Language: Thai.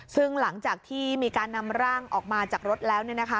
ซึ่งหลังจากที่มีการนำร่างออกมาจากรถแล้ว